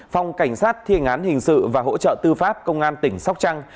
phòng cảnh sát thiên án hình sự và hỗ trợ tư pháp công an tỉnh sóc trăng